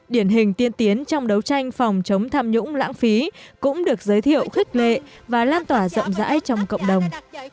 điển hình tiên tiến trong đấu tranh phòng chống tham nhũng lãng phí cũng được giới thiệu khích lệ và lan tỏa rộng rãi trong cộng đồng